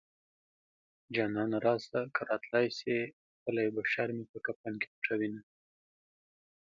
جانانه راشه که راتلی شې ښکلی بشر مې په کفن کې پټوينه